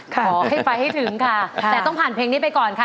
ขอให้ไปให้ถึงค่ะแต่ต้องผ่านเพลงนี้ไปก่อนค่ะ